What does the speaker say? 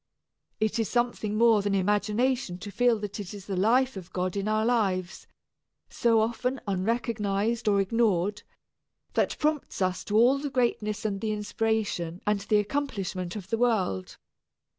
It is something more than imagination to feel that it is the life of God in our lives, so often unrecognized or ignored, that prompts us to all the greatness and the inspiration and the accomplishment of the world.